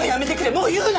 もう言うな！